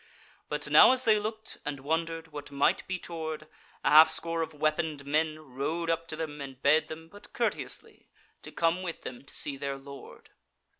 But now as they looked and wondered what might be toward, a half score of weaponed men rode up to them and bade them, but courteously, to come with them to see their Lord.